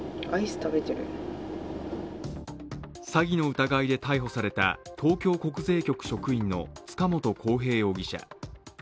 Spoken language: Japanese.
詐欺の疑いで逮捕された東京国税局職員の、塚本晃平容疑者。